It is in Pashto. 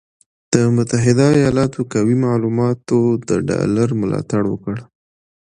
د متحده ایالاتو قوي معلوماتو د ډالر ملاتړ وکړ،